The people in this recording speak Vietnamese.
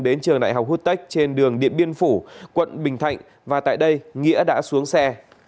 đến trường đại học hotex trên đường điện biên phủ quận bình thạnh và tại đây nghĩa đã xuống xe